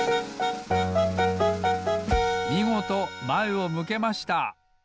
みごとまえを向けました！